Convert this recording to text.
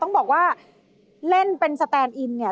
ต้องบอกว่าเล่นเป็นสแตนอินเนี่ย